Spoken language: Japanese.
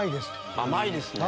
甘いですね。